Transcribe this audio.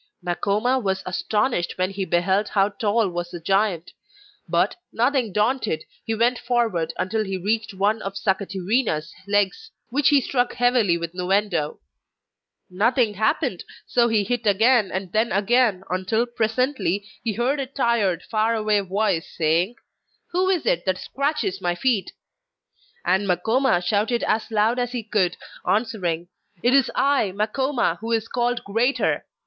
Makoma was astonished when he beheld how tall was the giant; but, nothing daunted, he went forward until he reached one of Sakatirina's legs, which he struck heavily with Nu endo. Nothing happened, so he hit again and then again until, presently, he heard a tired, far away voice saying: 'Who is it that scratches my feet?' And Makoma shouted as loud as he could, answering: 'It is I, Makoma, who is called "Greater"!